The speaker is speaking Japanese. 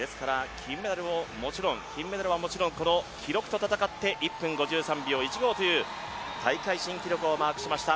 金メダルはもちろん記録と戦って１分５３秒１５という大会新記録をマークしました。